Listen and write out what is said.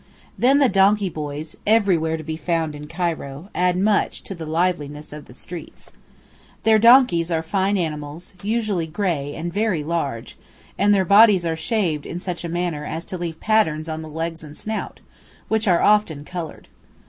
Then the donkey boys, everywhere to be found in Cairo, add much to the liveliness of the streets. Their donkeys are fine animals, usually grey and very large, and their bodies are shaved in such a manner as to leave patterns on the legs and snout, which are often coloured.